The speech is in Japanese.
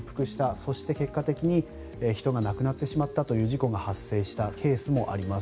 そして結果的に人が亡くなってしまったという事故が発生したケースもあります。